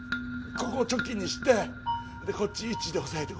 ここをチョキにしてこっちイチで押さえて。